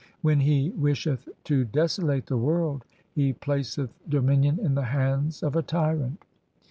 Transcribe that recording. When He wisheth to desolate the world, He placeth dominion in the hands of a tyrant.